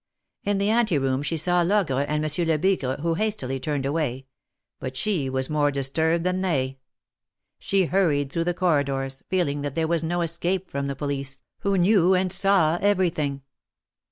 In the ante room she saw Logre and Monsieur Lebigre, who hastily turned away; but she was more disturbed than they. She hurried through the corridors, feeling that there was no escape from the police, who knew and saw everything.